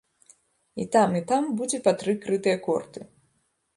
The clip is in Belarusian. І там, і там будзе па тры крытыя корты.